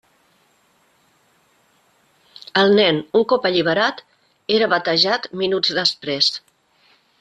El nen, un cop alliberat, era batejat minuts després.